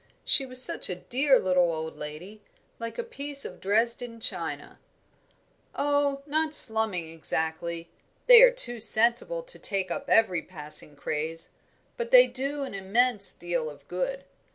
She was such a dear little old lady like a piece of Dresden china. "Oh, not slumming exactly they are too sensible to take up every passing craze; but they do an immense deal of good.